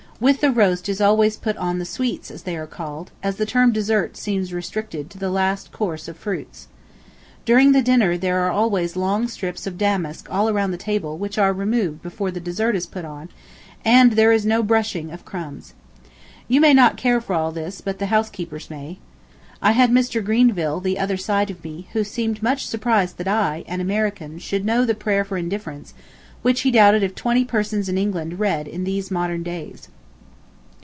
With the roast is always put on the sweets, as they are called, as the term dessert seems restricted to the last course of fruits. During the dinner there are always long strips of damask all round the table which are removed before the dessert is put on, and there is no brushing of crumbs. You may not care for all this, but the housekeepers may. I had Mr. Greville the other side of me, who seemed much surprised that I, an American, should know the "Prayer for Indifference," which he doubted if twenty persons in England read in these modern days.